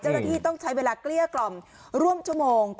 จรฐีต้องใช้เวลาเกลี้ยกร่องร่วมชั่วโมง